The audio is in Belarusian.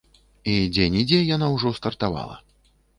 І дзе-нідзе яна ўжо стартавала.